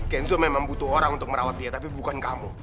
kenzo memang butuh orang untuk merawat dia tapi bukan kamu